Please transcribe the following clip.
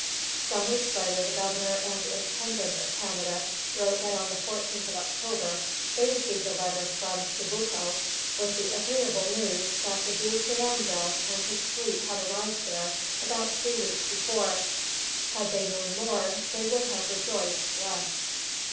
Some weeks later the Governor and Intendant of Canada wrote that on the 14th of October they received a letter from Chibucto with "the agreeable news" that the Duc d'Anville and his fleet had arrived there about three weeks before. Had they known more, they would have rejoiced less.